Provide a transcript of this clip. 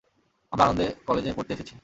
আমরা আনন্দে কলেজে পড়তে এসেছি।